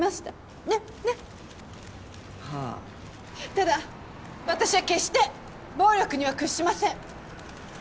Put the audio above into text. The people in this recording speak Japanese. ただ私は決して暴力には屈しません。